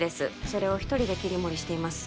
それを一人で切り盛りしています